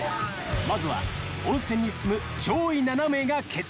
［まずは本戦に進む上位７名が決定］